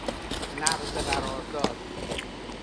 نقض قرار داد